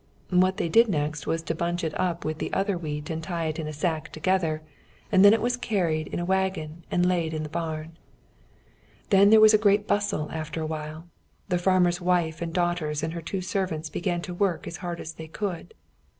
What they did next was to bunch it up with other wheat and tie it and stack it together, and then it was carried in a waggon and laid in the barn. Then there was a great bustle after a while. The farmer's wife and daughters and her two servants began to work as hard as they could.